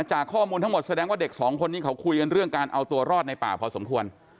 จากข้อมูลทั้งหมดแสดงว่าเด็กสองคนนี้เขาคุยกันเรื่องการเอาตัวรอดในป่าพอสมควร